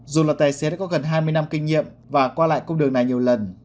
dù là tài xế đã có gần hai mươi năm kinh nghiệm và qua lại cung đường này nhiều lần